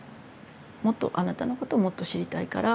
もっとあなたのこともっと知りたいから。